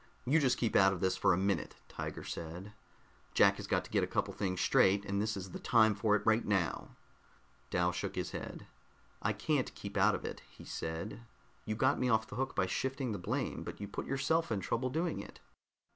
"You just keep out of this for a minute," Tiger said. "Jack has got to get a couple of things straight, and this is the time for it right now." Dal shook his head. "I can't keep out of it," he said. "You got me off the hook by shifting the blame, but you put yourself in trouble doing it.